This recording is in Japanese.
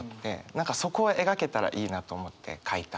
何かそこを描けたらいいなと思って書いた歌ですね。